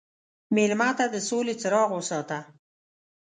مېلمه ته د سولې څراغ وساته.